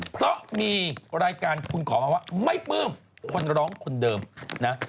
เพราะมีรายการคุณขอมาว่าไม่ปลื้มคนร้องคนเดิมนะ